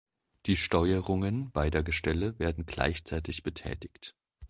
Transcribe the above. Die Steuerungen beider Gestelle werden gleichzeitig betätigt.